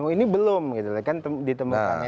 ini belum gitu kan ditemukannya